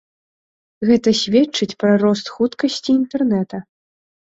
Гэта сведчыць пра рост хуткасці інтэрнэта.